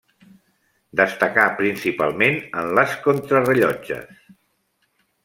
Destacà principalment en les contrarellotges.